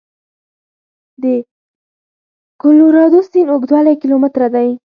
د کلورادو سیند اوږدوالی کیلومتره دی.